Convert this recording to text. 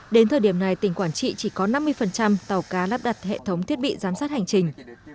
đến thời điểm này tỉnh quảng trị chỉ có năm mươi tàu cá lắp đặt hệ thống thiết bị giám sát hành trình